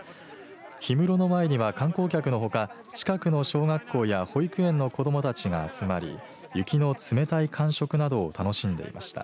氷室の前には観光客のほか近くの小学校や保育園の子どもたちが集まり雪の冷たい感触などを楽しんでいました。